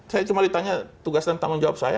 saya cuma ditanya tugas dan tanggung jawab saya